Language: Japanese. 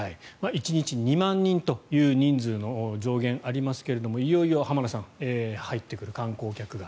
１日２万人という人数の上限がありますがいよいよ浜田さん入ってくる、観光客が。